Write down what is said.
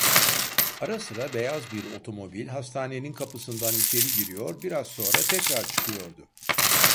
Ara sıra beyaz bir otomobil hastanenin kapısından içeri giriyor, biraz sonra tekrar çıkıyordu.